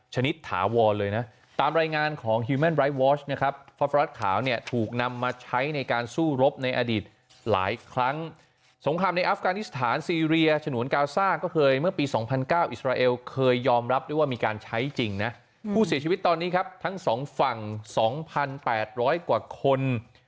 สมความในอาฟกานิสถานซีเรียฉนูนกาซ่าก็เคยเมื่อปี๒๐๐๙อิสราเอลเคยยอมรับได้ว่ามีการใช้จริงนะผู้เสียชีวิตตอนนี้ครับทั้ง๒ฝั่ง๒๘๐๐กว่าคน